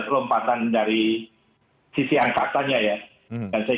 lompatan dari sisi angkatannya ya dan saya